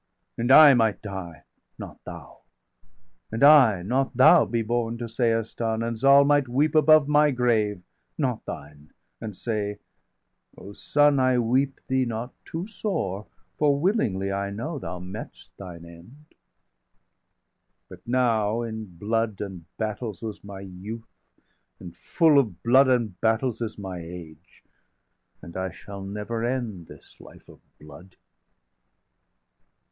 and I might die, not thou; And I, not thou, be borne to Seistan; 820 And Zal might weep above my grave, not thine; And say: O son, I weep thee not too sore, For willingly, I know, thou met'st thine end! But now in blood and battles was my youth, And full of blood and battles is my age, 825 And I shall never end this life of blood."